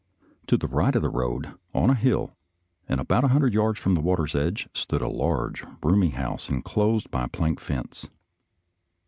To the right of the road, on a hill, and about a hundred yards from the water's edge, stood a large, roomy house inclosed by a plank fence.